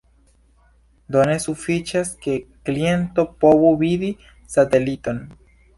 Do ne sufiĉas, ke kliento povu vidi sateliton.